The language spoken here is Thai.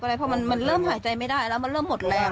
ผมคิดว่าแต่จะตายแล้วในใจผมอะคิดจริงมาตายแล้ว